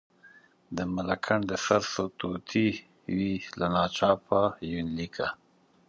د ملکنډ د سرتوتي وی، له ناچاپ یونلیکه.